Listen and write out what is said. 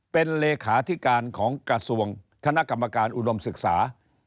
เป็นเลขาธิการของกระทรวงคณะกรรมการอุดมศึกษา